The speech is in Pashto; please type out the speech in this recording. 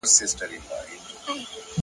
د سهار چوپتیا د ورځې له شور مخکې وي.!